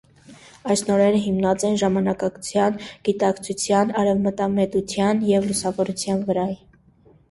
Այս նորերը, հիմնուած էին ժամանակակցութեան, գիտականութեան, արեւմտամետութեան, եւ լուսաւորութեան վրայ։